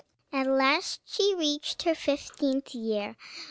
At last she reached her fifteenth year.